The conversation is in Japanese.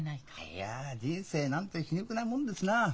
いや人生なんて皮肉なもんですなあ。